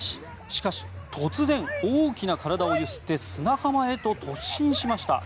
しかし、突然大きな体を揺すって砂浜へと突進しました。